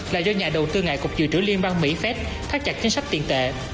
là do nhà đầu tư ngại cục dự trữ liên bang mỹ phép thắt chặt chính sách tiền tệ